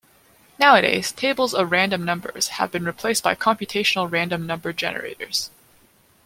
Nowadays, tables of random numbers have been replaced by computational random number generators.